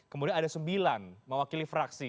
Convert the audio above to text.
kemudian ada sembilan mewakili fraksi